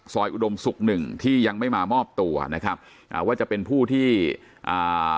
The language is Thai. อุดมศุกร์หนึ่งที่ยังไม่มามอบตัวนะครับอ่าว่าจะเป็นผู้ที่อ่า